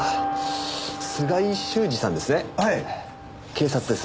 警察です。